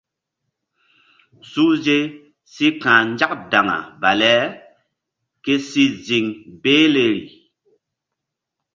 Suhze si ka̧h nzak daŋa bale ke si ziŋ behleri.